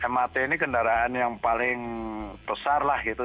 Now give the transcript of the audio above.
mrt ini kendaraan yang paling besar lah gitu